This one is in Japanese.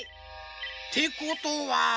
てことは。